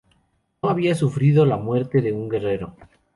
No había sufrido la muerte de un guerrero.